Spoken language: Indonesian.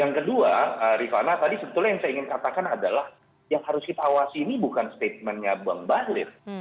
yang kedua rifana tadi sebetulnya yang saya ingin katakan adalah yang harus kita awasi ini bukan statementnya bang bahlil